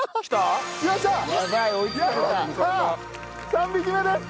３匹目です。